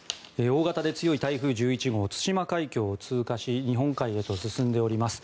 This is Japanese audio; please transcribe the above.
大型で強い台風１１号対馬海峡を通過し日本海へと進んでおります。